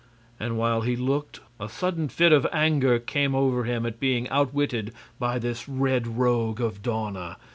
And while he looked a sudden fit of anger came over him at being outwitted by this Red Rogue of Dawna.